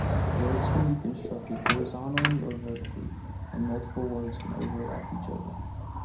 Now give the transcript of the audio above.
Words can be constructed horizontally or vertically, and multiple words can overlap each other.